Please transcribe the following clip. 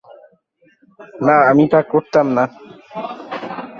না, আমি তা করতাম না।